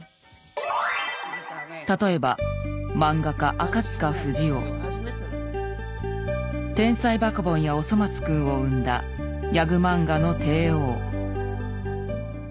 例えば「天才バカボン」や「おそ松くん」を生んだギャグ漫画の帝王。